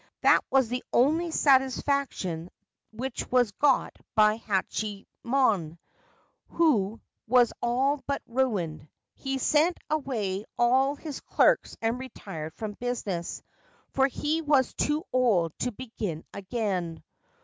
That was the only satisfaction which was got by Hachiyemon, who was all but ruined ; he sent away all his clerks and retired from business, for he was too old to begin again.